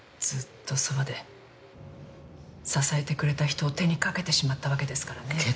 ずっとそばで支えてくれた人を手に掛けてしまったわけですからね。